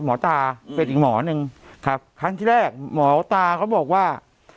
ตาเป็นอีกหมอหนึ่งครับครั้งที่แรกหมอตาเขาบอกว่า